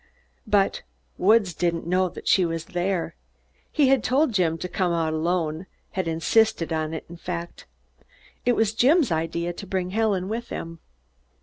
But Woods didn't know that she was there. He had told Jim to come out alone; had insisted on it, in fact. It was Jim's idea to bring Helen with him.